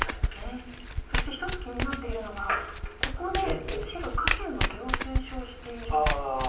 そして１つ気になっているのがここで白下辺の出を推奨しているんですね。